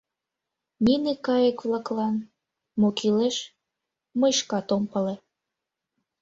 Нине кайык-влаклан мо кӱлеш — мый шкат ом пале.